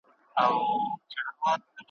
جاهل اولسه کور دي خراب دی ,